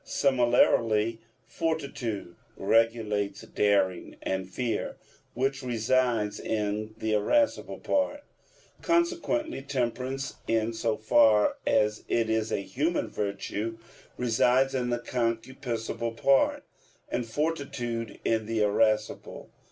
Similarly, fortitude regulates daring and fear, which reside in the irascible part. Consequently temperance, in so far as it is a human virtue, resides in the concupiscible part, and fortitude in the irascible.